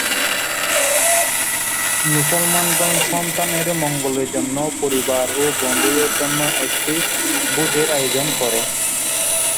মুসলমানগণ সন্তানের মঙ্গলের জন্য পরিবার ও বন্ধুদের জন্য একটি ভোজের আয়োজন করে।